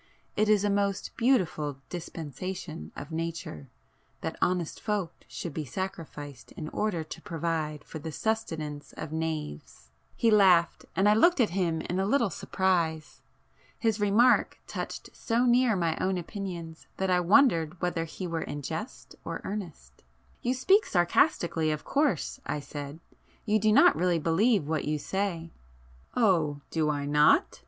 It is a most beautiful dispensation of nature,—that honest folk should be sacrificed in order to provide for the sustenance of knaves!" He laughed, and I looked at him in a little surprise. His remark touched so near my own opinions that I wondered whether he were in jest or earnest. "You speak sarcastically of course?" I said—"You do not really believe what you say?" "Oh, do I not!"